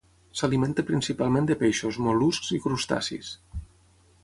S'alimenta principalment de peixos, mol·luscs i crustacis.